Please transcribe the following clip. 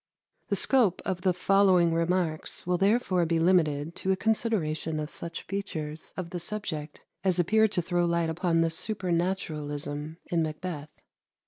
The scope of the following remarks will therefore be limited to a consideration of such features of the subject as appear to throw light upon the supernaturalism in "Macbeth."